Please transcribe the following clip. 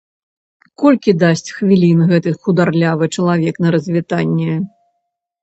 Колькі дасць хвілін гэты хударлявы чалавек на развітанне?